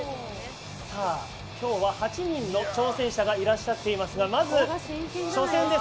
今日は８人の挑戦者がいらっしゃっていますがまず初戦です。